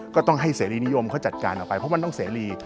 ก็ต้องให้เสรีนิยมเขาจัดการออกไปเพราะมันต้องเสรี